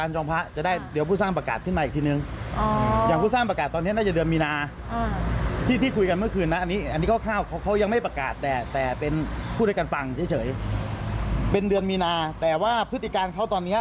เป็นเดือนมีนาแต่ว่าพฤติการเขาตอนนี้